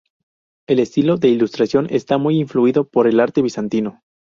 El estilo de ilustración está muy influido por el arte bizantino.